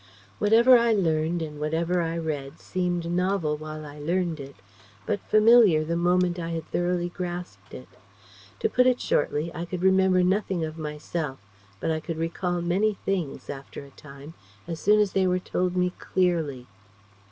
Whatever I learned and whatever I read seemed novel while I learned it, but familiar the moment I had thoroughly grasped it. To put it shortly, I could remember nothing of myself, but I could recall many things, after a time, as soon as they were told me clearly.